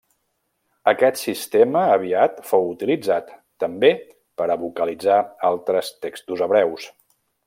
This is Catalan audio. Aquest sistema aviat fou utilitzat també per a vocalitzar altres textos hebreus.